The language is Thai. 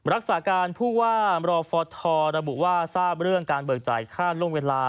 รักษาการผู้ว่ามรฟทระบุว่าทราบเรื่องการเบิกจ่ายค่าล่วงเวลา